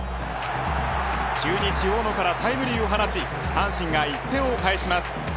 中日大野からタイムリーを放ち阪神が１点を返します。